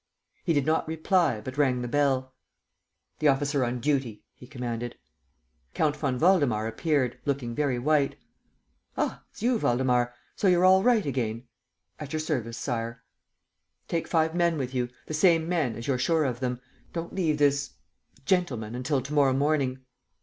He did not reply, but rang the bell: "The officer on duty," he commanded. Count von Waldemar appeared, looking very white. "Ah, it's you, Waldemar? So you're all right again?" "At your service, Sire." "Take five men with you ... the same men, as you're sure of them. Don't leave this ... gentleman until to morrow morning."